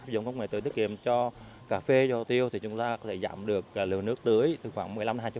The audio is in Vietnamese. dùng công nghệ tưới tiết kiệm cho cà phê hồ tiêu thì chúng ta có thể giảm được lượng nước tưới từ khoảng một mươi năm hai mươi